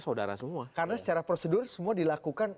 saudara semua karena secara prosedur semua dilakukan